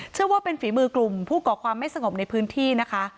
เชื่อว่าเป็นฝีมือกลุ่มผู้ก่อความไม่สงบในพื้นที่นะคะ